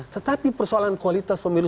tetapi persoalan kualitas pemilu